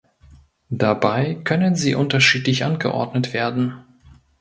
Dabei können sie unterschiedlich angeordnet werden.